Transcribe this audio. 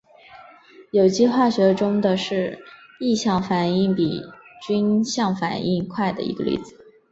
有机化学中的是异相反应比均相反应快的一个例子。